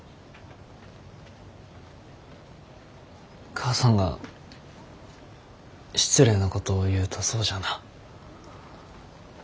母さんが失礼なことを言うたそうじゃな。